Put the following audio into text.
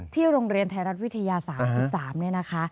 โรงเรียนไทยรัฐวิทยา๓๓เนี่ยนะคะ